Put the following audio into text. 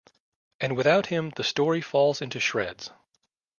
And without him, the story falls into shreds.